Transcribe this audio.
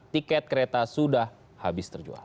tiket kereta sudah habis terjual